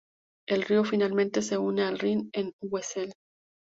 El río finalmente se une al Rin en Wesel.